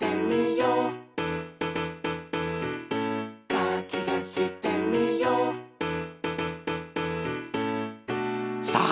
「かきたしてみよう」さあ！